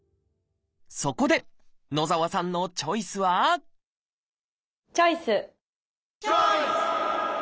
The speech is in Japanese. そこで野澤さんのチョイスはチョイス！